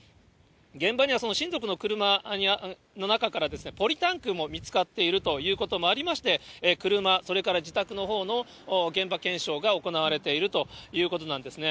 現場には、その親族の車の中から、ポリタンクも見つかっているということもありまして、車、それから自宅のほうの現場検証が行われているということなんですね。